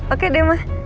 oke deh ma